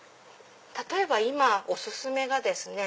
例えば今お薦めがですね